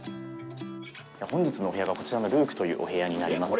本日のお部屋がこちらのＬＵＫＥというお部屋になります。